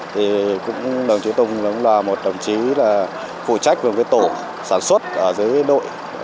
thì cũng đồng chí tùng cũng là một đồng chí là phụ trách một cái tổ sản xuất ở dưới đội